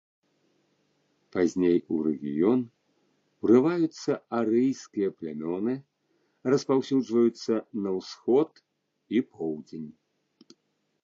Пазней у рэгіён урываюцца арыйскія плямёны, распаўсюджваюцца на ўсход і поўдзень.